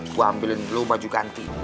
gue ambilin dulu baju ganti